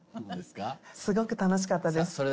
すごく楽しかったです。